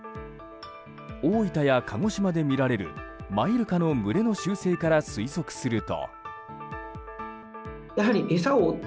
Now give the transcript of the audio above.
大分や鹿児島で見られるマイルカの群れの習性から推測すると。